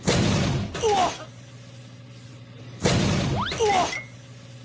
うわっ！